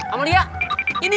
amalia ini babeh